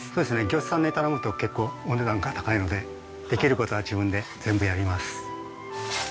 業者さんに頼むと結構お値段が高いのでできる事は自分で全部やります。